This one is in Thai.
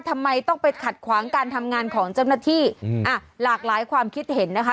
ทำไมต้องไปขัดขวางการทำงานของเจ้าหน้าที่อืมอ่ะหลากหลายความคิดเห็นนะคะ